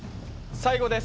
最後です！